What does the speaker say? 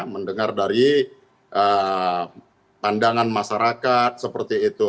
mendengar dari pandangan masyarakat seperti itu